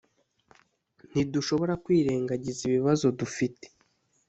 Ntidushobora kwirengagiza ibibazo dufite.